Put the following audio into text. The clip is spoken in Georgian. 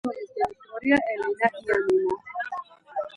მუზეუმის დირექტორია ელენა იანინა.